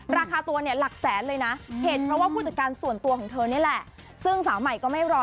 ราคาตัวหลักแสนเลย